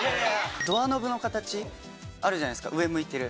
ドアノブの形あるじゃないですか上向いてる。